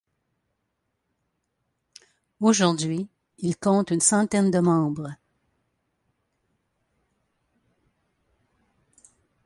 Aujourd'hui, il compte une centaine de membres.